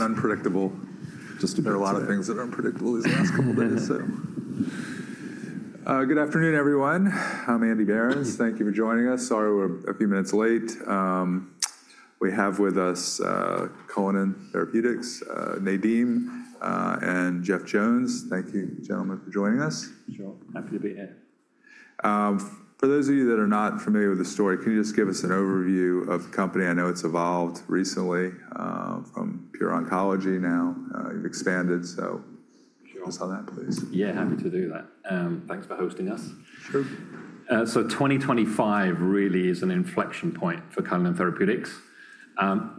Unpredictable. There are a lot of things that are unpredictable these last couple of days, too. Good afternoon, everyone. I'm Andy Barrons. Thank you for joining us. Sorry we're a few minutes late. We have with us Cullinan Therapeutics, Nadim, and Jeff Jones. Thank you, gentlemen, for joining us. Happy to be here. For those of you that are not familiar with the story, can you just give us an overview of the company? I know it's evolved recently from pure oncology now. You've expanded, so tell us on that, please. Yeah, happy to do that. Thanks for hosting us. 2025 really is an inflection point for Cullinan Therapeutics.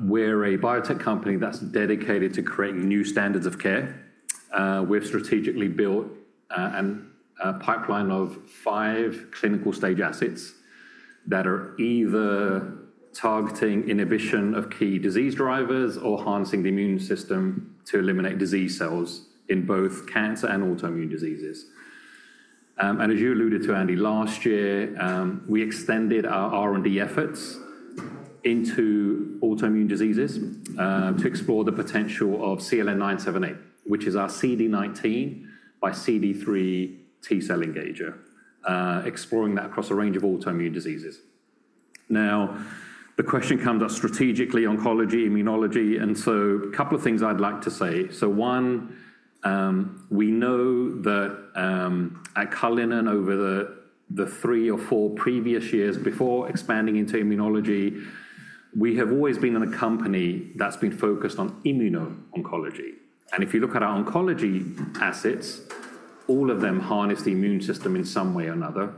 We're a biotech company that's dedicated to creating new standards of care. We've strategically built a pipeline of five clinical stage assets that are either targeting inhibition of key disease drivers or harnessing the immune system to eliminate disease cells in both cancer and autoimmune diseases. As you alluded to, Andy, last year, we extended our R&D efforts into autoimmune diseases to explore the potential of CLN-978, which is our CD19 by CD3 T-cell engager, exploring that across a range of autoimmune diseases. The question comes at strategically oncology, immunology, and a couple of things I'd like to say. One, we know that at Cullinan, over the three or four previous years before expanding into immunology, we have always been a company that's been focused on immuno-oncology. If you look at our oncology assets, all of them harness the immune system in some way or another.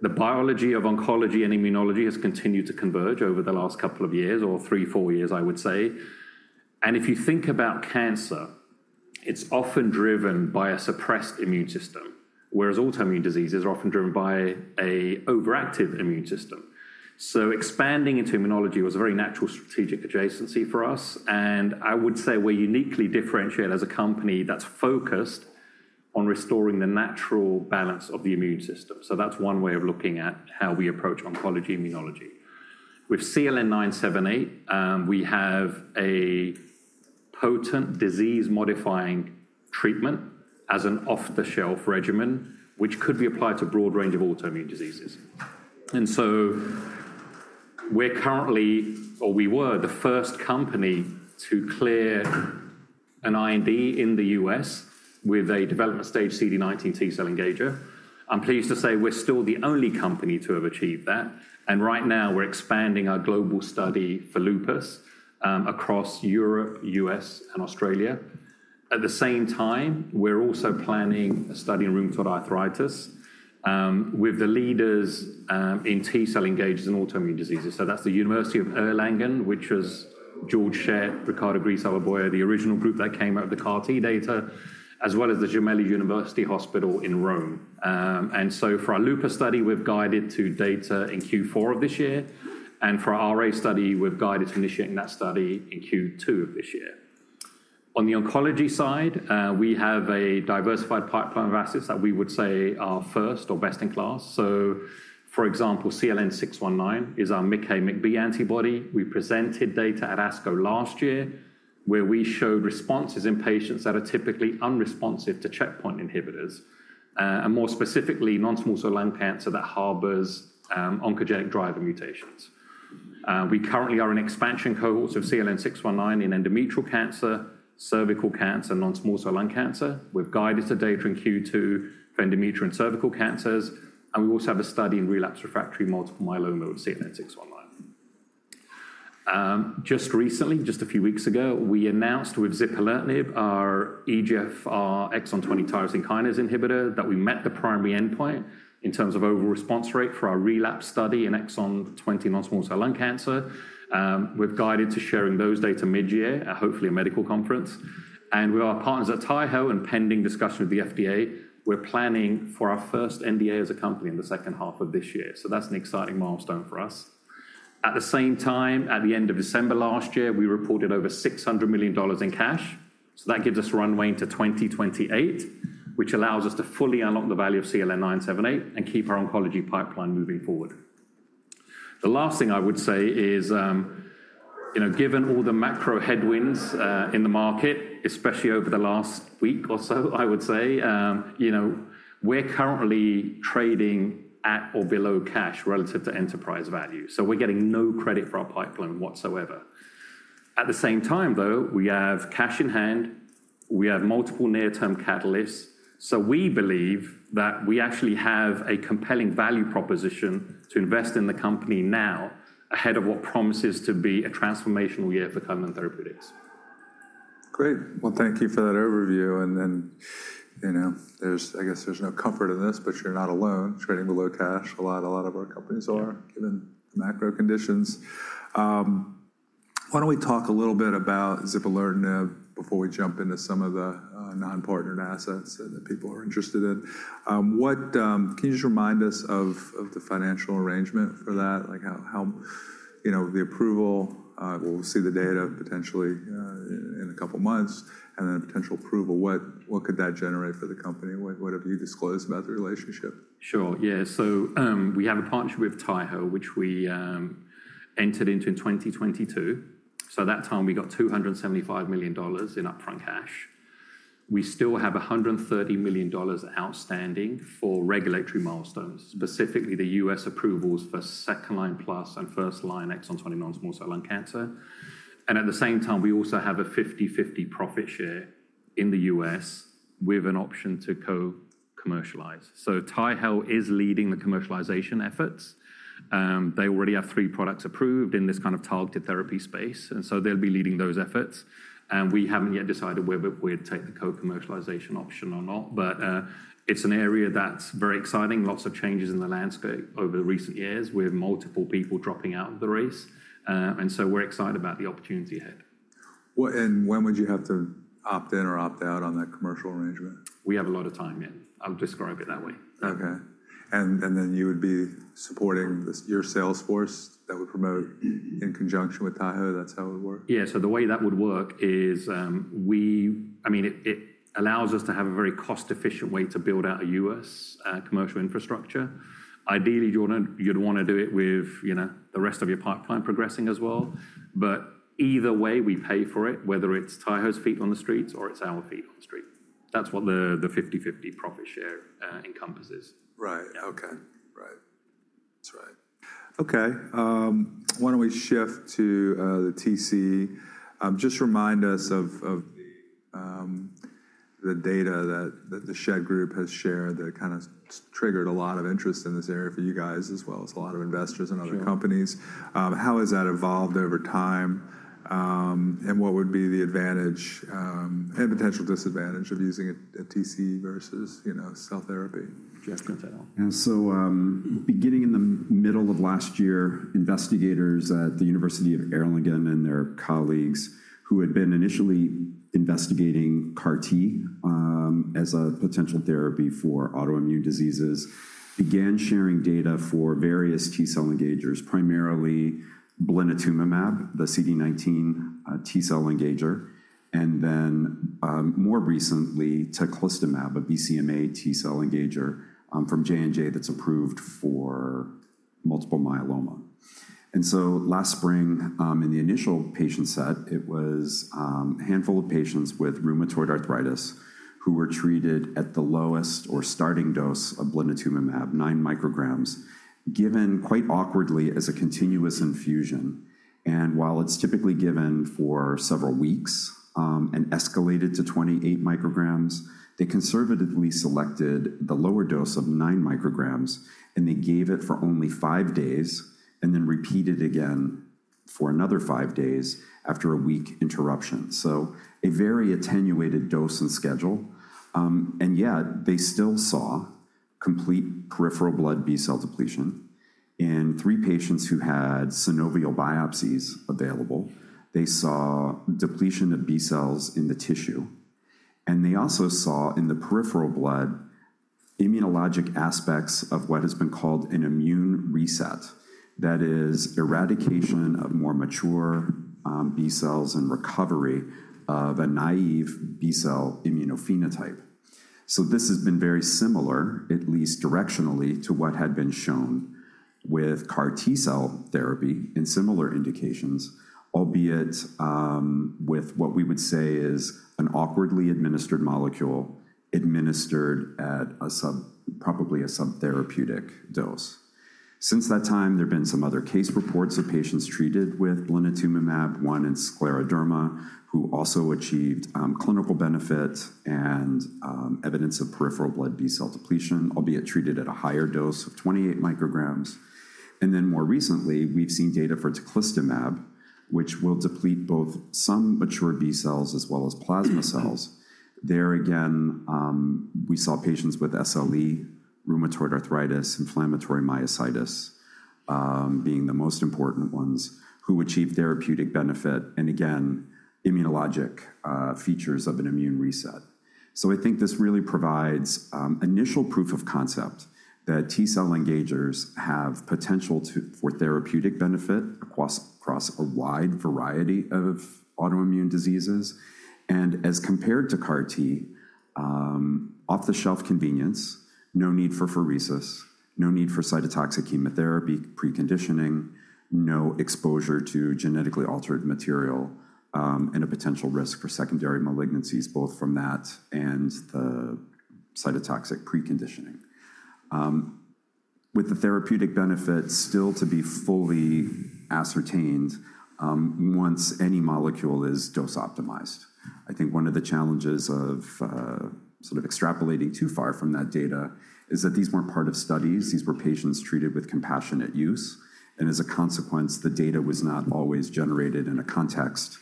The biology of oncology and immunology has continued to converge over the last couple of years, or three, four years, I would say. If you think about cancer, it's often driven by a suppressed immune system, whereas autoimmune diseases are often driven by an overactive immune system. Expanding into immunology was a very natural strategic adjacency for us. I would say we're uniquely differentiated as a company that's focused on restoring the natural balance of the immune system. That's one way of looking at how we approach oncology immunology. With CLN-978, we have a potent disease-modifying treatment as an off-the-shelf regimen, which could be applied to a broad range of autoimmune diseases. We are currently, or we were, the first company to clear an IND in the U.S. with a development stage CD19 T-cell engager. I am pleased to say we are still the only company to have achieved that. Right now, we are expanding our global study for lupus across Europe, the U.S., and Australia. At the same time, we are also planning a study in rheumatoid arthritis with the leaders in T-cell engagers in autoimmune diseases. That is the University of Erlangen, which was Georg Schett, Riccardo Grieshaber-Bouyer, the original group that came out of the CAR-T data, as well as the Gemelli University Hospital in Rome. For our lupus study, we have guided to data in Q4 of this year. For our RA study, we have guided to initiating that study in Q2 of this year. On the oncology side, we have a diversified pipeline of assets that we would say are first or best in class. For example, CLN-619 is our MICA/MICB antibody. We presented data at ASCO last year, where we showed responses in patients that are typically unresponsive to checkpoint inhibitors, and more specifically, non-small cell lung cancer that harbors oncogenic driver mutations. We currently are in an expansion cohort of CLN-619 in endometrial cancer, cervical cancer, and non-small cell lung cancer. We've guided to data in Q2 for endometrial and cervical cancers. We also have a study in relapsed refractory multiple myeloma with CLN-619. Just recently, just a few weeks ago, we announced with zipalertinib, our EGFR exon 20 tyrosine kinase inhibitor, that we met the primary endpoint in terms of overall response rate for our relapse study in exon 20 non-small cell lung cancer. We've guided to sharing those data mid-year at hopefully a medical conference. With our partners at Taiho and pending discussion with the FDA, we're planning for our first NDA as a company in the second half of this year. That's an exciting milestone for us. At the same time, at the end of December last year, we reported over $600 million in cash. That gives us runway into 2028, which allows us to fully unlock the value of CLN-978 and keep our oncology pipeline moving forward. The last thing I would say is, given all the macro headwinds in the market, especially over the last week or so, I would say we're currently trading at or below cash relative to enterprise value. We're getting no credit for our pipeline whatsoever. At the same time, though, we have cash in hand. We have multiple near-term catalysts. We believe that we actually have a compelling value proposition to invest in the company now ahead of what promises to be a transformational year for Cullinan Therapeutics. Great. Thank you for that overview. I guess there's no comfort in this, but you're not alone trading below cash. A lot of our companies are, given the macro conditions. Why don't we talk a little bit about zipalertinib before we jump into some of the non-partnered assets that people are interested in? Can you just remind us of the financial arrangement for that? The approval, we'll see the data potentially in a couple of months, and then a potential approval. What could that generate for the company? What have you disclosed about the relationship? Sure. Yeah. We have a partnership with Taiho, which we entered into in 2022. At that time, we got $275 million in upfront cash. We still have $130 million outstanding for regulatory milestones, specifically the U.S. approvals for second line plus and first line exon 20 non-small cell lung cancer. At the same time, we also have a 50/50 profit share in the U.S. with an option to co-commercialize. Taiho is leading the commercialization efforts. They already have three products approved in this kind of targeted therapy space. They will be leading those efforts. We have not yet decided whether we would take the co-commercialization option or not. It is an area that is very exciting. Lots of changes in the landscape over the recent years with multiple people dropping out of the race. We are excited about the opportunity ahead. When would you have to opt in or opt out on that commercial arrangement? We have a lot of time yet. I'll describe it that way. Okay. You would be supporting your sales force that would promote in conjunction with Taiho. That's how it would work? Yeah. The way that would work is, I mean, it allows us to have a very cost-efficient way to build out a US commercial infrastructure. Ideally, you'd want to do it with the rest of your pipeline progressing as well. Either way, we pay for it, whether it's Taiho's feet on the streets or it's our feet on the street. That's what the 50/50 profit share encompasses. Right. Okay. Right. That's right. Okay. Why don't we shift to the TCE? Just remind us of the data that the Schett Group has shared that kind of triggered a lot of interest in this area for you guys, as well as a lot of investors in other companies. How has that evolved over time? What would be the advantage and potential disadvantage of using a TCE versus cell therapy? Jeff, go ahead. Beginning in the middle of last year, investigators at the University of Erlangen and their colleagues, who had been initially investigating CAR-T as a potential therapy for autoimmune diseases, began sharing data for various T-cell engagers, primarily blinatumomab, the CD19 T-cell engager, and then more recently, teclistamab, a BCMA T-cell engager from Johnson & Johnson that is approved for multiple myeloma. Last spring, in the initial patient set, it was a handful of patients with rheumatoid arthritis who were treated at the lowest or starting dose of blinatumomab, 9 micrograms, given quite awkwardly as a continuous infusion. While it is typically given for several weeks and escalated to 28 micrograms, they conservatively selected the lower dose of 9 micrograms, and they gave it for only five days and then repeated again for another five days after a week interruption. A very attenuated dose and schedule. Yet, they still saw complete peripheral blood B-cell depletion. In three patients who had synovial biopsies available, they saw depletion of B-cells in the tissue. They also saw in the peripheral blood immunologic aspects of what has been called an immune reset. That is, eradication of more mature B-cells and recovery of a naive B-cell immunophenotype. This has been very similar, at least directionally, to what had been shown with CAR-T cell therapy in similar indications, albeit with what we would say is an awkwardly administered molecule administered at probably a subtherapeutic dose. Since that time, there have been some other case reports of patients treated with blinatumomab, one in scleroderma, who also achieved clinical benefit and evidence of peripheral blood B-cell depletion, albeit treated at a higher dose of 28 micrograms. More recently, we've seen data for taclustamab, which will deplete both some mature B-cells as well as plasma cells. There again, we saw patients with SLE, rheumatoid arthritis, inflammatory myositis being the most important ones who achieved therapeutic benefit and, again, immunologic features of an immune reset. I think this really provides initial proof of concept that T-cell engagers have potential for therapeutic benefit across a wide variety of autoimmune diseases. As compared to CAR-T, off-the-shelf convenience, no need for pheresis, no need for cytotoxic chemotherapy preconditioning, no exposure to genetically altered material, and a potential risk for secondary malignancies, both from that and the cytotoxic preconditioning. The therapeutic benefit is still to be fully ascertained once any molecule is dose-optimized. I think one of the challenges of sort of extrapolating too far from that data is that these were not part of studies. These were patients treated with compassionate use. As a consequence, the data was not always generated in a context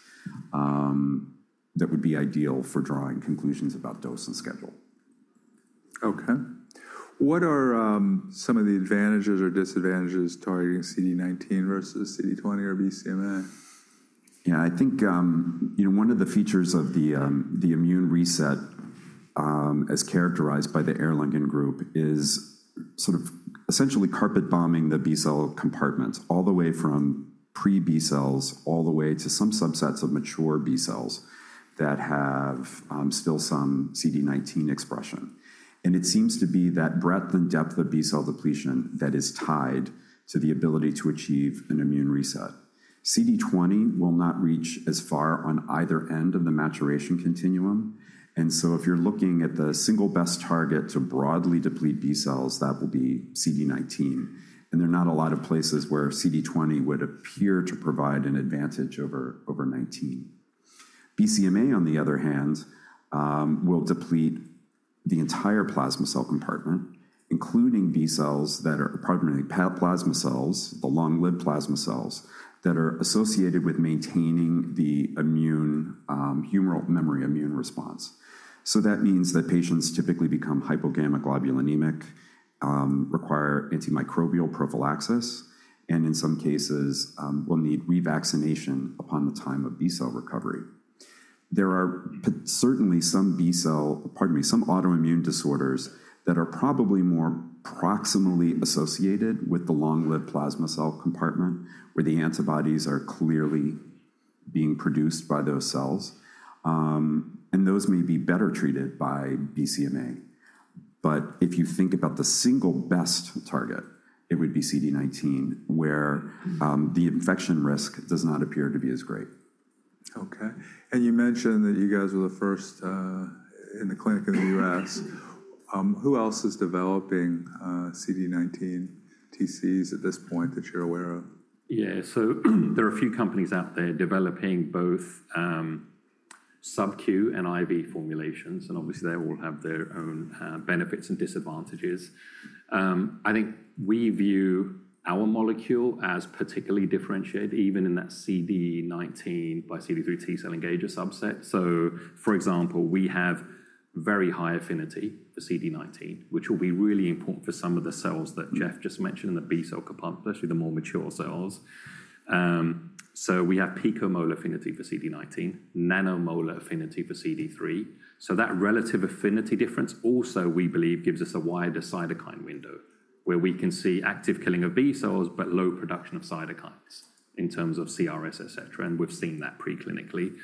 that would be ideal for drawing conclusions about dose and schedule. Okay. What are some of the advantages or disadvantages targeting CD19 versus CD20 or BCMA? Yeah. I think one of the features of the immune reset as characterized by the Erlangen Group is sort of essentially carpet bombing the B-cell compartments all the way from pre-B-cells all the way to some subsets of mature B-cells that have still some CD19 expression. It seems to be that breadth and depth of B-cell depletion that is tied to the ability to achieve an immune reset. CD20 will not reach as far on either end of the maturation continuum. If you're looking at the single best target to broadly deplete B-cells, that will be CD19. There are not a lot of places where CD20 would appear to provide an advantage over 19. BCMA, on the other hand, will deplete the entire plasma cell compartment, including B-cells that are plasma cells, the long-lived plasma cells that are associated with maintaining the humoral memory immune response. That means that patients typically become hypogammaglobulinemic, require antimicrobial prophylaxis, and in some cases, will need revaccination upon the time of B-cell recovery. There are certainly some autoimmune disorders that are probably more proximally associated with the long-lived plasma cell compartment where the antibodies are clearly being produced by those cells. Those may be better treated by BCMA. If you think about the single best target, it would be CD19, where the infection risk does not appear to be as great. Okay. You mentioned that you guys were the first in the clinic in the U.S. Who else is developing CD19 TCEs at this point that you're aware of? Yeah. There are a few companies out there developing both subQ and IV formulations. Obviously, they all have their own benefits and disadvantages. I think we view our molecule as particularly differentiated, even in that CD19 by CD3 T-cell engager subset. For example, we have very high affinity for CD19, which will be really important for some of the cells that Jeff just mentioned in the B-cell compartment, especially the more mature cells. We have picomolar affinity for CD19, nanomolar affinity for CD3. That relative affinity difference also, we believe, gives us a wider cytokine window where we can see active killing of B-cells but low production of cytokines in terms of CRS, et cetera. We have seen that preclinically.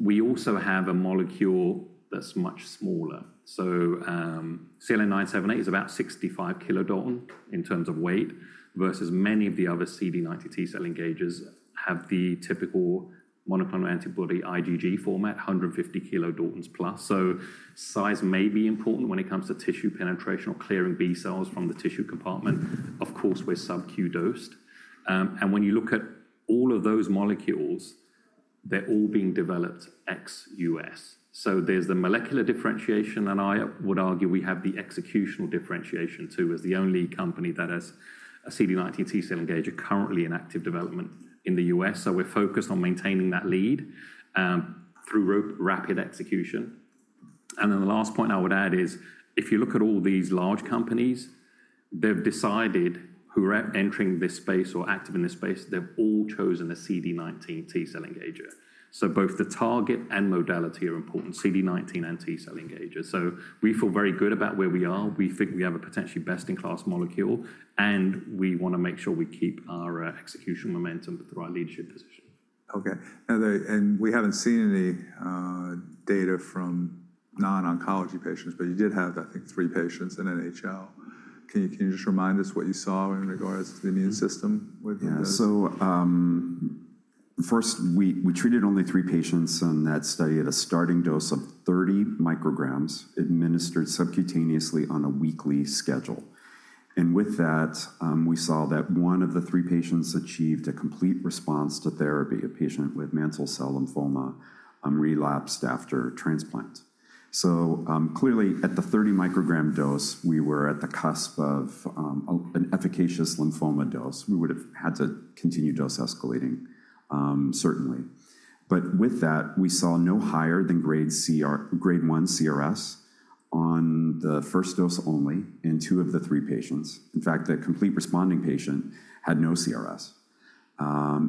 We also have a molecule that is much smaller. CLN-978 is about 65 kilodalton in terms of weight versus many of the other CD19 T-cell engagers that have the typical monoclonal antibody IgG format, 150 kilodaltons plus. Size may be important when it comes to tissue penetration or clearing B-cells from the tissue compartment, of course, with subQ dosed. When you look at all of those molecules, they are all being developed ex-U.S. There is the molecular differentiation. I would argue we have the executional differentiation too as the only company that has a CD19 T-cell engager currently in active development in the U.S. We are focused on maintaining that lead through rapid execution. The last point I would add is, if you look at all these large companies who are entering this space or active in this space, they have all chosen a CD19 T-cell engager. Both the target and modality are important, CD19 and T-cell engager. We feel very good about where we are. We think we have a potentially best-in-class molecule. We want to make sure we keep our execution momentum with the right leadership position. Okay. We have not seen any data from non-oncology patients, but you did have, I think, three patients in NHL. Can you just remind us what you saw in regards to the immune system? Yeah. First, we treated only three patients in that study at a starting dose of 30 micrograms administered subcutaneously on a weekly schedule. With that, we saw that one of the three patients achieved a complete response to therapy. A patient with mantle cell lymphoma relapsed after transplant. Clearly, at the 30 microgram dose, we were at the cusp of an efficacious lymphoma dose. We would have had to continue dose escalating, certainly. With that, we saw no higher than grade 1 CRS on the first dose only in two of the three patients. In fact, the complete responding patient had no CRS.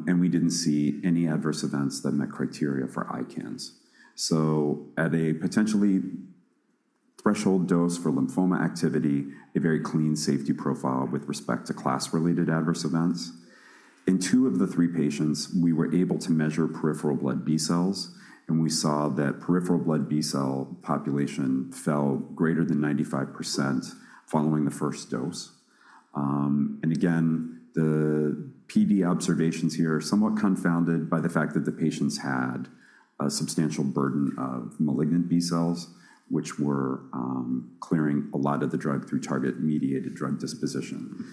We did not see any adverse events that met criteria for ICANS. At a potentially threshold dose for lymphoma activity, a very clean safety profile with respect to class-related adverse events. In two of the three patients, we were able to measure peripheral blood B-cells. We saw that peripheral blood B-cell population fell greater than 95% following the first dose. The PD observations here are somewhat confounded by the fact that the patients had a substantial burden of malignant B-cells, which were clearing a lot of the drug through target-mediated drug disposition.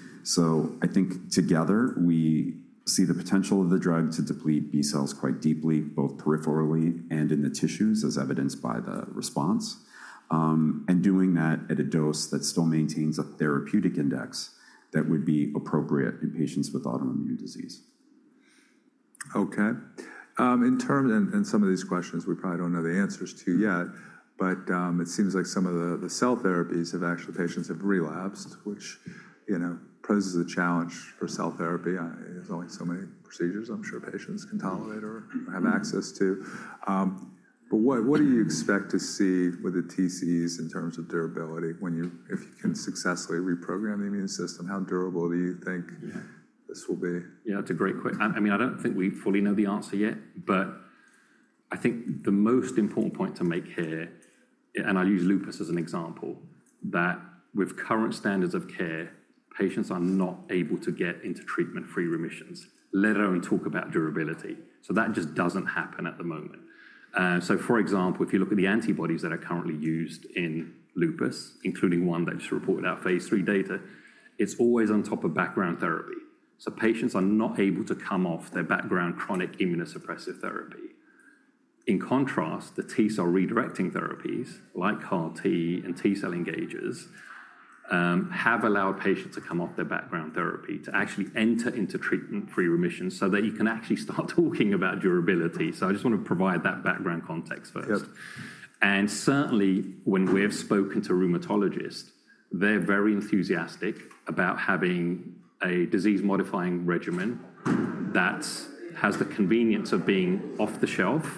I think together, we see the potential of the drug to deplete B-cells quite deeply, both peripherally and in the tissues, as evidenced by the response, and doing that at a dose that still maintains a therapeutic index that would be appropriate in patients with autoimmune disease. Okay. Some of these questions, we probably don't know the answers to yet. It seems like some of the cell therapies have actually, patients have relapsed, which poses a challenge for cell therapy. There are only so many procedures I'm sure patients can tolerate or have access to. What do you expect to see with the TCEs in terms of durability? If you can successfully reprogram the immune system, how durable do you think this will be? Yeah. That's a great question. I mean, I don't think we fully know the answer yet. I think the most important point to make here, and I'll use lupus as an example, that with current standards of care, patients are not able to get into treatment-free remissions, let alone talk about durability. That just doesn't happen at the moment. For example, if you look at the antibodies that are currently used in lupus, including one that just reported out phase III data, it's always on top of background therapy. Patients are not able to come off their background chronic immunosuppressive therapy. In contrast, the T-cell redirecting therapies, like CAR-T and T-cell engagers, have allowed patients to come off their background therapy to actually enter into treatment-free remission so that you can actually start talking about durability. I just want to provide that background context first. Certainly, when we have spoken to rheumatologists, they're very enthusiastic about having a disease-modifying regimen that has the convenience of being off the shelf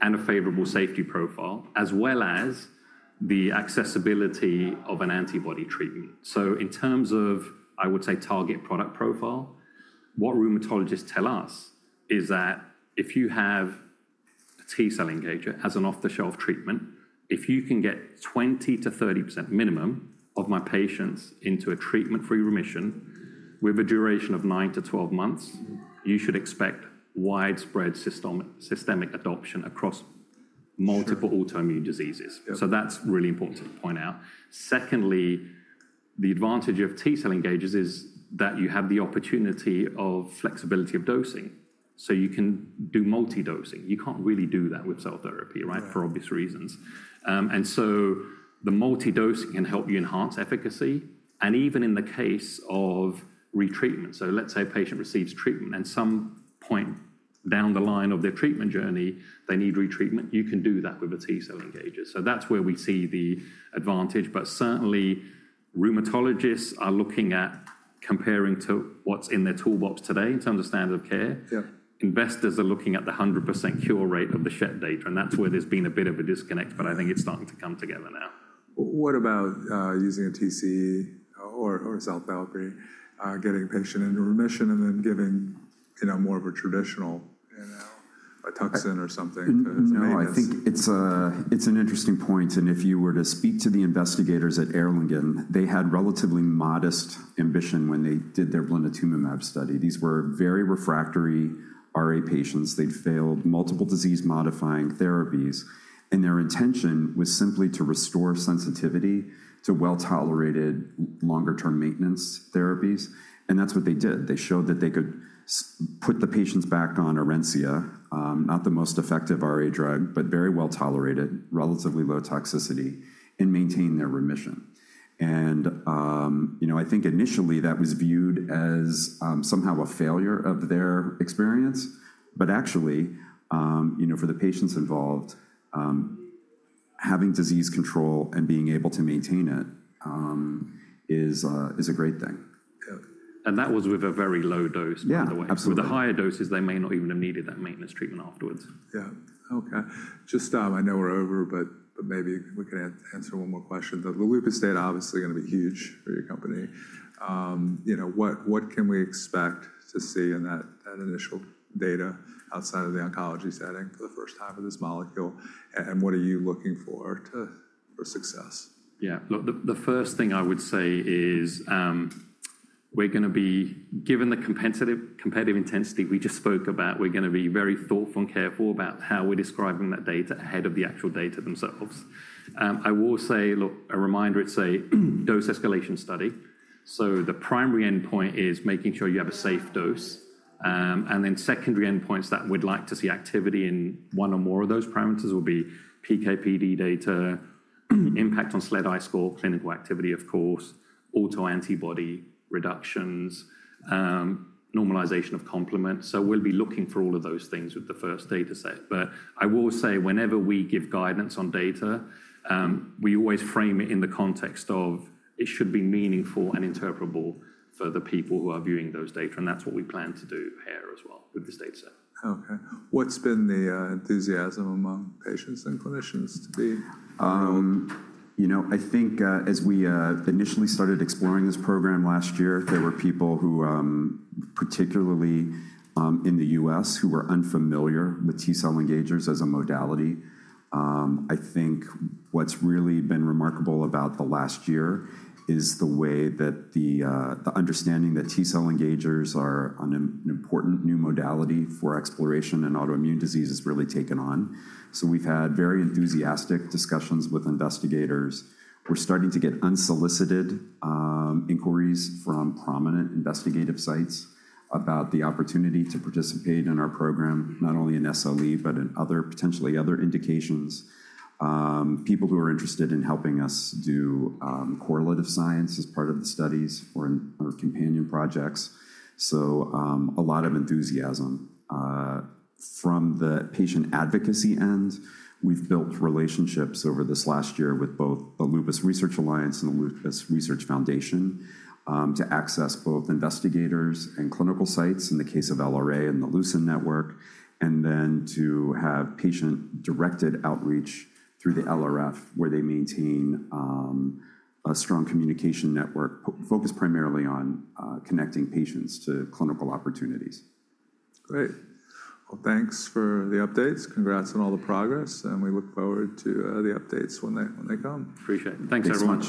and a favorable safety profile, as well as the accessibility of an antibody treatment. In terms of, I would say, target product profile, what rheumatologists tell us is that if you have a T-cell engager as an off-the-shelf treatment, if you can get 20%-30% minimum of my patients into a treatment-free remission with a duration of 9-12 months, you should expect widespread systemic adoption across multiple autoimmune diseases. That's really important to point out. Secondly, the advantage of T-cell engagers is that you have the opportunity of flexibility of dosing. You can do multi-dosing. You can't really do that with cell therapy, right, for obvious reasons. The multi-dosing can help you enhance efficacy. Even in the case of retreatment, let's say a patient receives treatment, and at some point down the line of their treatment journey, they need retreatment, you can do that with a T-cell engager. That is where we see the advantage. Certainly, rheumatologists are looking at comparing to what's in their toolbox today in terms of standard of care. Investors are looking at the 100% cure rate of the SHET data. That is where there has been a bit of a disconnect. I think it is starting to come together now. What about using a TCE or a self-therapy, getting a patient into remission and then giving more of a traditional, you know, a rituximab or something? I think it's an interesting point. If you were to speak to the investigators at Erlangen, they had relatively modest ambition when they did their blinatumomab study. These were very refractory RA patients. They'd failed multiple disease-modifying therapies. Their intention was simply to restore sensitivity to well-tolerated longer-term maintenance therapies. That's what they did. They showed that they could put the patients back on Orencia, not the most effective RA drug, but very well-tolerated, relatively low toxicity, and maintain their remission. I think initially, that was viewed as somehow a failure of their experience. Actually, for the patients involved, having disease control and being able to maintain it is a great thing. That was with a very low dose, by the way. With the higher doses, they may not even have needed that maintenance treatment afterwards. Yeah. Okay. I know we're over, but maybe we can answer one more question. The lupus data is obviously going to be huge for your company. What can we expect to see in that initial data outside of the oncology setting for the first time for this molecule? What are you looking for for success? Yeah. Look, the first thing I would say is we're going to be, given the competitive intensity we just spoke about, we're going to be very thoughtful and careful about how we're describing that data ahead of the actual data themselves. I will say, look, a reminder, it's a dose escalation study. The primary endpoint is making sure you have a safe dose. Then secondary endpoints that we'd like to see activity in one or more of those parameters will be PK/PD data, impact on SLEDAI score, clinical activity, of course, autoantibody reductions, normalization of complement. We'll be looking for all of those things with the first data set. I will say, whenever we give guidance on data, we always frame it in the context of it should be meaningful and interpretable for the people who are viewing those data. That is what we plan to do here as well with this data set. Okay. What's been the enthusiasm among patients and clinicians to be? You know, I think as we initially started exploring this program last year, there were people who particularly in the U.S. who were unfamiliar with T-cell engagers as a modality. I think what's really been remarkable about the last year is the way that the understanding that T-cell engagers are an important new modality for exploration in autoimmune disease has really taken on. We have had very enthusiastic discussions with investigators. We are starting to get unsolicited inquiries from prominent investigative sites about the opportunity to participate in our program, not only in SLE, but in potentially other indications. People who are interested in helping us do correlative science as part of the studies or companion projects. A lot of enthusiasm. From the patient advocacy end, we've built relationships over this last year with both the Lupus Research Alliance and the Lupus Research Foundation to access both investigators and clinical sites in the case of LRA and theLuCIN network, and then to have patient-directed outreach through the LRF, where they maintain a strong communication network focused primarily on connecting patients to clinical opportunities. Great. Thanks for the updates. Congrats on all the progress. We look forward to the updates when they come. Appreciate it. Thanks everyone.